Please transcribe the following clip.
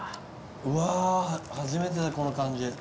うわー初めてだこの感じ。